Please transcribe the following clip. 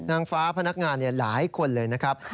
นางฟ้าพนักงานหลายคนเลยนะครับ